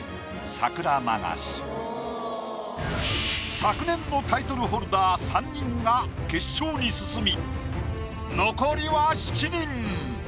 昨年のタイトルホルダー３人が決勝に進み残りは７人。